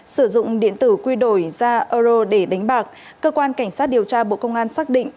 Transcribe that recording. sử dụng điện tử quy đổi ra euro để đánh bạc cơ quan cảnh sát điều tra bộ công an xác định